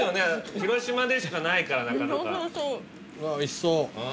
広島でしかないからなかなかそうそうそううわおいしそう